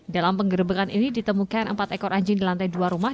dalam penggerbekan ini ditemukan empat ekor anjing di lantai dua rumah